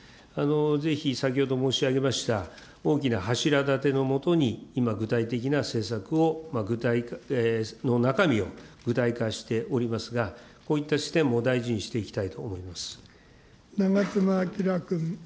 ぜひ、先ほど申し上げました大きな柱だてのもとに、今、具体的な政策を中身を具体化しておりますが、こういった視点も大長妻昭君。